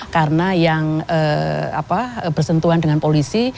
karena yang bersentuhan dengan polisi